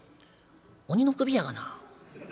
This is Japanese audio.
『鬼の首やがな』。